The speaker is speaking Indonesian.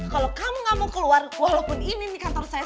kalo kamu gak mau keluar walaupun ini kantor saya